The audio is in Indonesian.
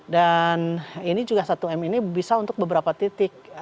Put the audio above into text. dan ini juga satu m ini bisa untuk beberapa titik